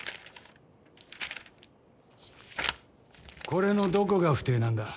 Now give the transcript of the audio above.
これのどこが不貞なんだ。